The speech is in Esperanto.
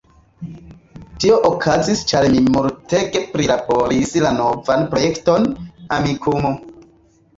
Tio okazis ĉar mi multege prilaboris la novan projekton, "Amikumu"